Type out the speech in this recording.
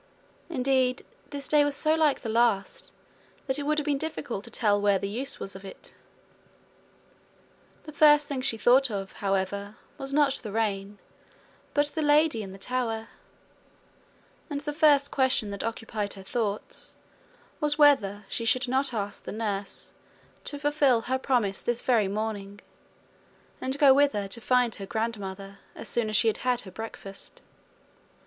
Indeed, this day was so like the last that it would have been difficult to tell where was the use of It. The first thing she thought of, however, was not the rain, but the lady in the tower; and the first question that occupied her thoughts was whether she should not ask the nurse to fulfil her promise this very morning, and go with her to find her grandmother as soon as she had had her breakfast.